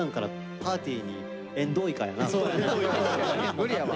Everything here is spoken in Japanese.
無理やわ。